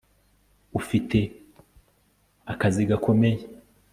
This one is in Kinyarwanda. Ufite akazi gakomeye